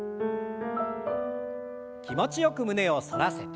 気持ちよく胸を反らせて。